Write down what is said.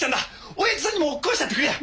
おやじさんにも食わしてやってくれや。